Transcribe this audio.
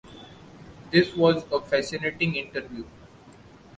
This was a fascinating interview.